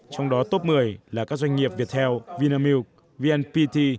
trong đó top một mươi là các doanh nghiệp viettel vinamilk vnpt